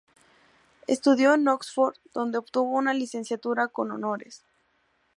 Estudió en Oxford, donde obtuvo una licenciatura con honores.